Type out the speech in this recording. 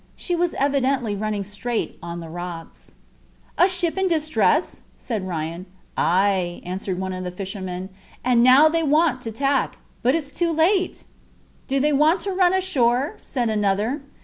She was evidently running straight on the rocks. "A ship in distress?" said Ryan. "Ay," answered one of the fishermen, "and now they want to tack, but it's too late!" "Do they want to run ashore?" said another.